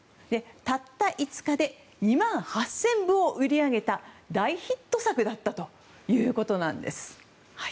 たった５日で２万８０００部を売り上げた大ヒット作だったということなんです。